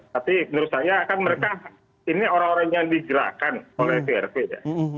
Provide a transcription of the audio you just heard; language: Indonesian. tapi menurut saya kan mereka ini orang orang yang digerakkan oleh trp ya